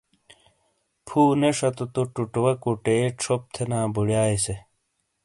پھو نے شتو تو ٹوٹوے کوٹے چھوپ تھینا بڑایاے سے۔